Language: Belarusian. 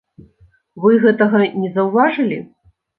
Вы гэтага не заўважылі?